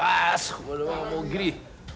それはもうギリ！